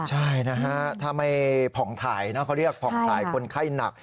ใช่นะฮะถ้าไม่ผ่องถ่ายนะเขาเรียกผ่องถ่ายคนไข้หนัก